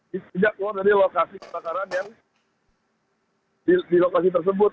tidak keluar dari lokasi kebakaran yang di lokasi tersebut